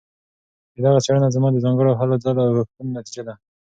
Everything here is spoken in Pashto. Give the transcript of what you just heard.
چې دغه څيړنه زما د ځانګړو هلو ځلو او کوښښونو نتيجه ده